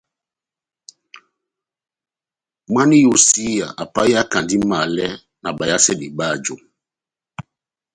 Mwána wa iyósiya apahiyakandi malɛ má bayasedi báju.